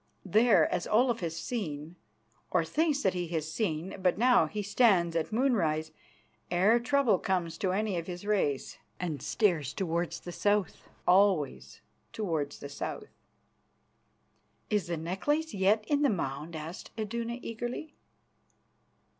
There, as Olaf has seen, or thinks that he has seen but now, he stands at moonrise ere trouble comes to any of his race, and stares towards the south always towards the south." "Is the necklace yet in the mound?" asked Iduna eagerly.